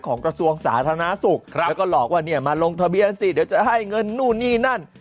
กระทรวงสาธารณสุขแล้วก็หลอกว่าเนี่ยมาลงทะเบียนสิเดี๋ยวจะให้เงินนู่นนี่นั่น